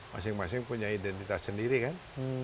masing masing punya identitas sendiri kan